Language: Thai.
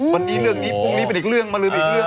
วันนี้เรื่องนี้พรุ่งนี้เป็นอีกเรื่องมาลืมอีกเรื่อง